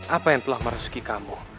apa yang telah mereski kamu